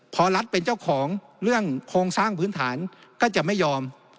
พอรัฐเป็นเจ้าของเรื่องโครงสร้างพื้นฐานก็จะไม่ยอม